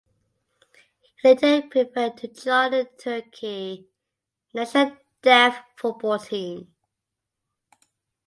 He later preferred to join the Turkey national deaf football team.